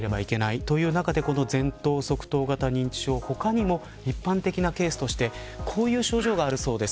という中で、前頭側頭型認知症他にも、一般的なケースとしてこういう症状があるそうです。